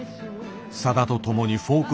さだと共にフォーク